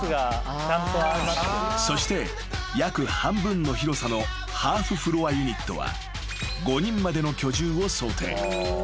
［そして約半分の広さのハーフフロアユニットは５人までの居住を想定］